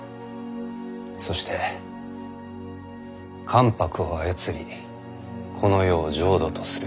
そして関白を操りこの世を浄土とする。